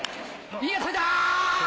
いい当たりだ。